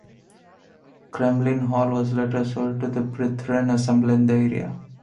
Crumlin Hall was later sold to the Brethren Assembly in the area.